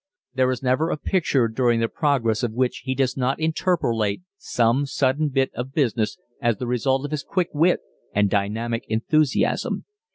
There is never a picture during the progress of which he does not interpolate some sudden bit of business as the result of his quick wit and dynamic enthusiasm.